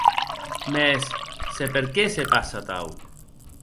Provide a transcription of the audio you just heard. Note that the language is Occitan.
Mès, se per qué se passe atau?